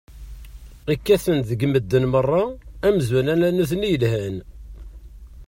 Kkaten deg medden meṛṛa amzun ala nutni i yelhan.